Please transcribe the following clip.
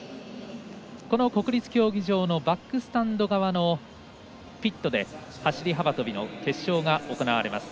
この国立競技場のバックスタンド側のピットで走り幅跳びの決勝が行われます。